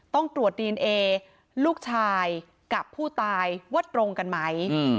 ต้องตรวจดีเอนเอลูกชายกับผู้ตายว่าตรงกันไหม